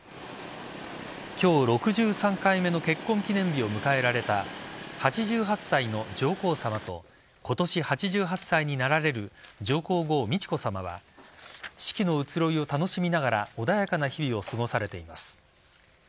今日６３回目の結婚記念日を迎えられた８８歳の上皇さまと今年８８歳になられる上皇后・美智子さまは四季の移ろいを楽しみながら穏やかな日々を過ごされています。